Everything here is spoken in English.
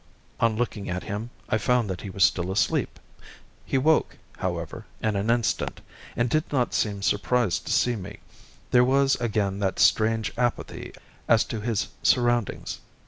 On looking at him, I found that he was still asleep. He woke, however, in an instant, and did not seem surprised to see me; there was again that strange apathy as to his surroundings.